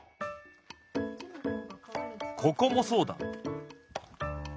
ここもそうだ！